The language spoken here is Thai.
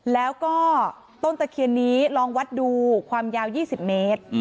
แล้วก็ต้นตะเคียนนี้ลองวัดดูความยาว๒๐เมตร